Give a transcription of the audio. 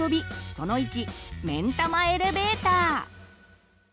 その１「めんたまエレベーター」。